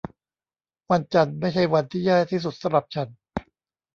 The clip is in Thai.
วันจันทร์ไม่ใช่วันที่แย่ที่สุดสำหรับฉัน